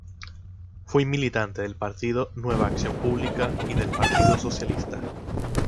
Fue militante del Partido Nueva Acción Pública y del Partido Socialista.